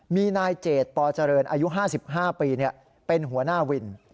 มีนายเจดปเจริญอายุ๕๕ปีเป็นหัวหน้าวิน